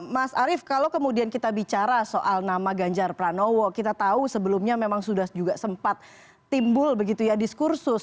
mas arief kalau kemudian kita bicara soal nama ganjar pranowo kita tahu sebelumnya memang sudah juga sempat timbul begitu ya diskursus